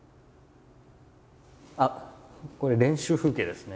あっこれ練習風景ですね。